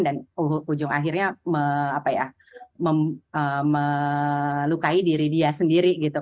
dan ujung akhirnya melukai diri dia sendiri gitu